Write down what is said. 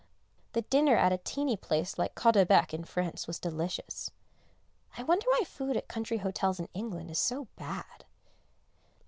The dinner at a teeny place like Caudebec in France was delicious. I wonder why food at country hotels in England is so bad?